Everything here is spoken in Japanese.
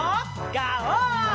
ガオー！